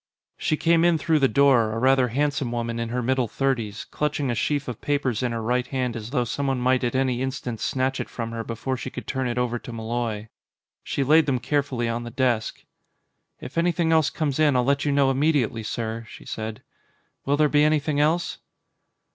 She came in through the door, a rather handsome woman in her middle thirties, clutching a sheaf of papers in her right hand as though someone might at any instant snatch it from her before she could turn it over to Malloy. She laid them carefully on the desk. "If anything else comes in, I'll let you know immediately, sir," she said. "Will there be anything else?"